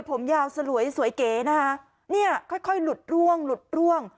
ผมยาวสลวยสวยเก๋นะคะเนี่ยค่อยค่อยหลุดร่วงหลุดร่วง